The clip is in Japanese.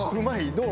どう？